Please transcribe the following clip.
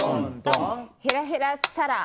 へらへらさらー。